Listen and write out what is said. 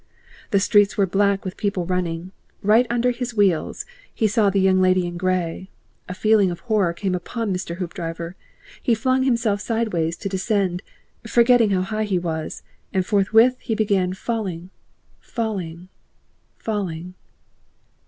The streets were black with people running. Right under his wheels he saw the Young Lady in Grey. A feeling of horror came upon Mr. Hoopdriver; he flung himself sideways to descend, forgetting how high he was, and forthwith he began falling; falling, falling.